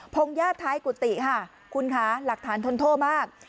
พงศ์ย่าท้ายกุฏิค่ะคุณค้าหลักฐานทนโทษมาก